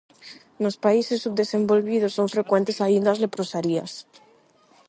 Nos países subdesenvolvidos son frecuentes aínda as leprosarías.